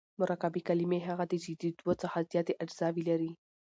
مرکبي کلیمې هغه دي، چي د دوو څخه زیاتي اجزاوي لري.